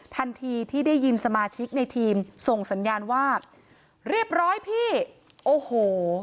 ทันทีที่ได้ยินสมาชิกในทีมส่งสัญญาณว่าเรียบร้อยพี่โอ้โห